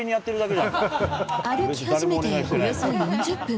歩き始めておよそ４０分。